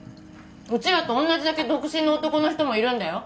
うちらと同じだけ独身の男の人もいるんだよ